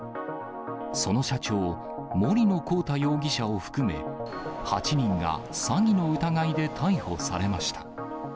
その社長、森野広太容疑者を含め、８人が詐欺の疑いで逮捕されました。